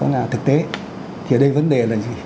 là thực tế thì ở đây vấn đề là gì